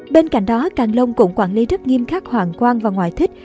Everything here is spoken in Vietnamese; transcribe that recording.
bên cạnh đó càng long cũng quản lý rất nghiêm khắc hoàng quan và ngoại thích